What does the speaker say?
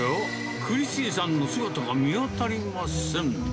クリスティンさんの姿が見当たりません。